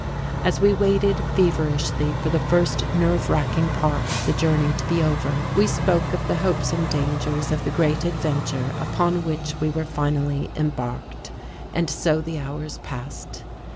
As we waited feverishly for the first nerve racking part of the journey to be over, we spoke of the hopes and dangers of the great adventure upon which we were finally embarked. And so the hours passed.